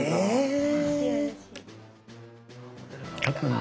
え！